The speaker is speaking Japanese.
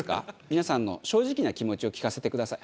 皆さんの正直な気持ちを聞かせてください。